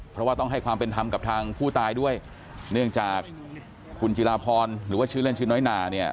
เพราะว่าต้องให้ความเป็นธรรมกับทางผู้ตายด้วยเนื่องจากคุณจิลาพรหรือว่าชื่อเล่นชื่อน้อยหนาเนี่ย